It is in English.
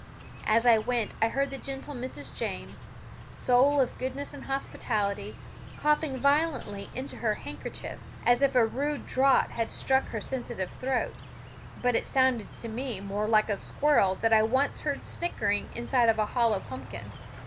As I went I heard the gentle Mrs. James, soul of goodness and hospitality, coughing violently into her handkerchief, as if a rude draught had struck her sensitive throat; but it sounded to me more like a squirrel that I once heard snickering inside of a hollow pumpkin.